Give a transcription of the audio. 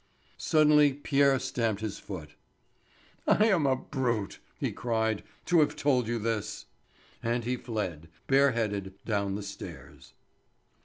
Suddenly Pierre stamped his foot. "I am a brute," he cried, "to have told you this." And he fled, bare headed, down the stairs.